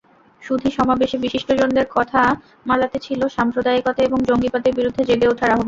সুধী সমাবেশে বিশিষ্টজনদের কথামালাতে ছিল সাম্প্রদায়িকতা এবং জঙ্গিবাদের বিরুদ্ধে জেগে ওঠার আহ্বান।